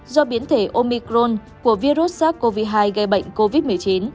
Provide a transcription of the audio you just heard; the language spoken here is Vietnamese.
do biến thể omicron của virus sars cov hai gây bệnh covid một mươi chín